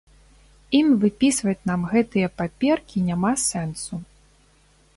Ім выпісваць нам гэтыя паперкі няма сэнсу.